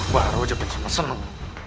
baru aja bencana seneng